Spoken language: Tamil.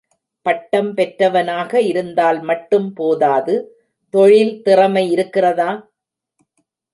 பட்டம் பெற்றவனாக இருந்தால் மட்டும் போதாது தொழில் திறமை இருக்கிறதா?